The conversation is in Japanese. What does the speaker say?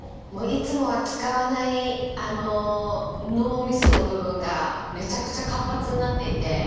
いつもは使わない脳みその部分がめちゃくちゃ活発になっていて。